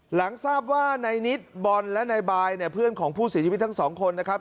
หลังทราบว่าในนิทบลและในบายเพื่อนของผู้เสียชีวิตทั้ง๒คนนะครับ